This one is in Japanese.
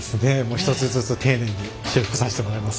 一つずつ丁寧に修復させてもらいます。